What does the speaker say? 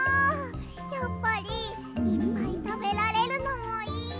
やっぱりいっぱいたべられるのもいい！